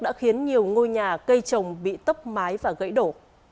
đã khiến nhiều ngôi nhà cây trồng bị tốc mái và gãy đổ